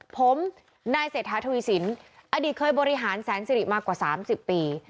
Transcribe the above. ผมนายเศรษฐาทวีสินอดีตเคยบริหารแสนสิริมากว่า๓๐ปี